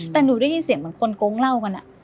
แต่หนูได้ยินเสียงเหมือนคนโกงเล่ากัน